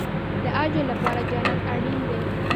د اجر لپاره جنت اړین دی